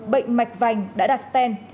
bệnh mạch vành đã đặt stent